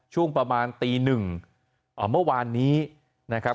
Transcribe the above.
ช่วงประมาณตีหนึ่งเมื่อวานนี้นะครับ